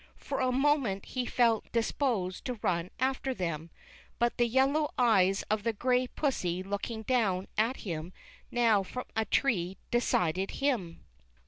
For a moment he felt disposed to run after them, but the yellow eyes of the gray pussy looking down at him now from a tree decided him.